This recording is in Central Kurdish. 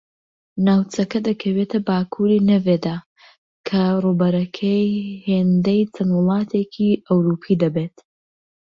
ناوچەکە دەکەوێتە باکوری نێڤێدا کە ڕووبەرەکەی ھێندەی چەند وڵاتێکی ئەوروپی دەبێت